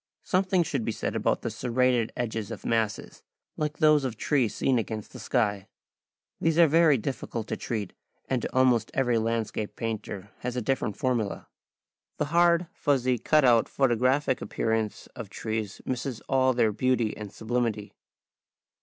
Something should be said about the serrated edges of masses, like those of trees seen against the sky. These are very difficult to treat, and almost every landscape painter has a different formula. The hard, fussy, cut out, photographic appearance of trees misses all their beauty and sublimity.